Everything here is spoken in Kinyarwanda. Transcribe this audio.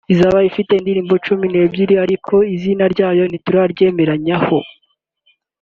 izaba ifite indirimbo cumi n’ebyiri ariko izina ryayo ntituraryemeranyaho